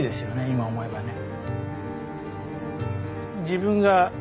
今思えばね。